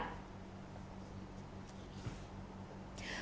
công an tp huế